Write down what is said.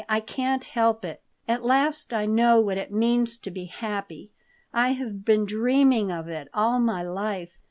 I can't help it. At last I know what it means to be happy. I have been dreaming of it all my life.